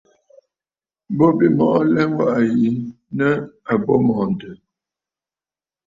Bo bî mɔꞌɔ bɨ lɛtsù waꞌà yi nɨ̂ àbo mɔ̀ɔ̀ntə̀.